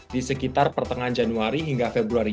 di sekitar pertengahan januari hingga februari